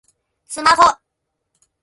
スマホ